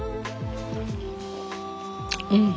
うん。